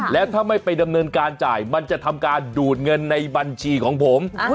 แล้วถ้าไม่ไปดำเนินการจ่ายมันจะทำการดูดเงินในบัญชีของผม